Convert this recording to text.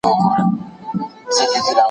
تاسو کولای سئ هر توری په اسانۍ زده کړئ.